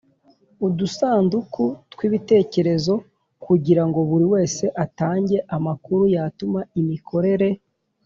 Udusanduku tw'ibitekerezo, kugira ngo buri wese atange amakuru yatuma imikorere